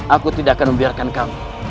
aku tidak akan membiarkan kamu